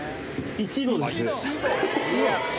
１度です。